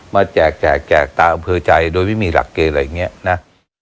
มาแจกแจกแจกตาเอาเผื่อใจโดยไม่มีหลักเกตอะไรอย่างเงี้ยน่ะ